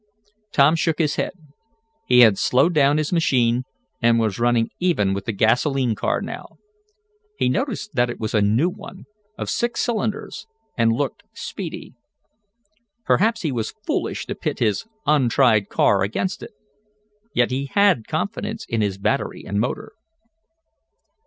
Tom shook his head. He had slowed down his machine, and was running even with the gasolene car now. He noticed that it was a new one, of six cylinders, and looked speedy. Perhaps he was foolish to pit his untried car against it. Yet he had confidence in his battery and motor.